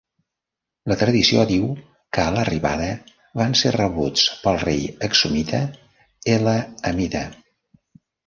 La tradició diu que a l'arribada van ser rebuts pel rei axumita Ella Amida.